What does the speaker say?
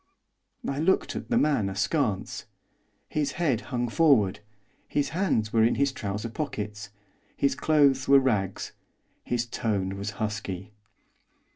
I looked at the man askance. His head hung forward; his hands were in his trouser pockets; his clothes were rags; his tone was husky.